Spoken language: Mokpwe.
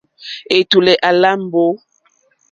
Ɛ̀tùlɛ̀ à lá mbǒ.